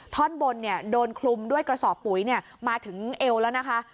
ท่อนบนโดนคลุมด้วยกระสอบปุ๋ยมาถึงเอวแล้วนะคะ